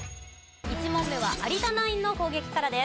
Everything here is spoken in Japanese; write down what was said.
１問目は有田ナインの攻撃からです。